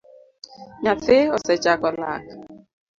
Nyathi osechako lak